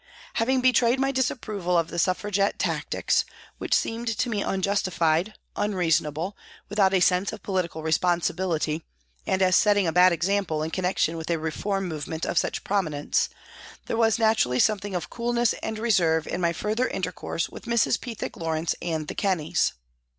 Having betrayed my disapproval of the Suffra gette " tactics," which seemed to me unjustified, unreasonable, without a sense of political responsi bility, and as setting a bad example in connection with a reform movement of such prominence, there was naturally something of coolness and reserve in my further intercourse with Mrs. Pethick Lawrence and the Kenneys.